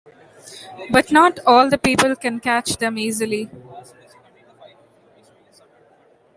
But, not all the people can catch them easily.